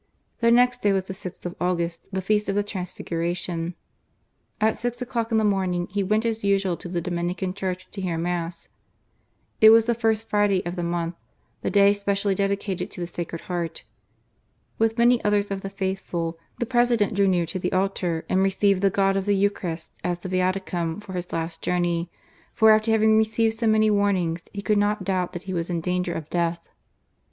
The next day was the 6th of August, the feast of the Transliguration. At six o'clock in the morning he went as usual to the Dominican Church to hear Mass. It was the First Friday of the month, the day specially dedicated to the Sacred Heart. With many others of the faithful, the President drew near to the altar, and received the God of the Eucharist, as the Viaticum for his last journey, for after having received so many warnings, he could not doubt that he was in danger of death.